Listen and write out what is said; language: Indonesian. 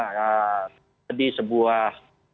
di sebuah formulasi tersebut